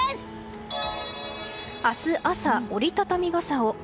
明日朝、折り畳み傘を。